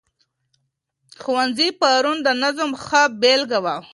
ښوونځي پرون د نظم ښه بېلګه وه.